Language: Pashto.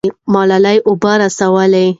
ملالۍ اوبه رسولې.